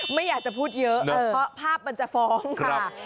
ไม่อยากจะพูดเยอะเพราะภาพมันจะฟ้องค่ะ